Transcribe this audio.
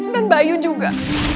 dan bayu juga